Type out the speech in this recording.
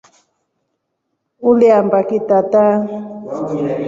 Uliambaki tata?